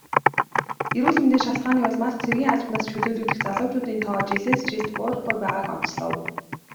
Эрүүл мэндийн шалтгааны улмаас цэргийн албанаас чөлөөлөгдөх залуучуудын тоо жилээс жилд буурахгүй байгааг онцлов.